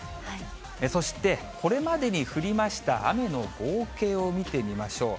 そして、これまでに降りました雨の合計を見てみましょう。